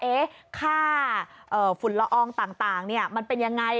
ค่าฝุ่นละอองต่างมันเป็นยังไง